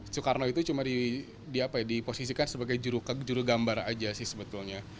soekarno itu cuma diposisikan sebagai jurugambar aja sih sebetulnya